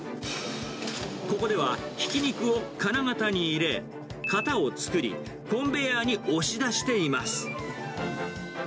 ここではひき肉を金型に入れ、型を作り、コンベアに押し出しています。